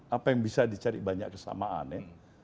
apa yang bisa dicari banyak kesamaan ya